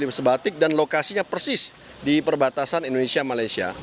di daerah perbatasan sebatik dan lokasinya persis di perbatasan indonesia malaysia